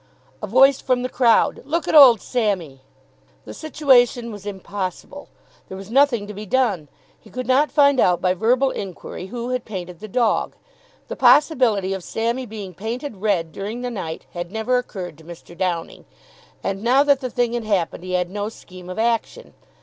A voice from the crowd: "Look at old Sammy!" The situation was impossible. There was nothing to be done. He could not find out by verbal inquiry who had painted the dog. The possibility of Sammy being painted red during the night had never occurred to Mr. Downing, and now that the thing had happened he had no scheme of action.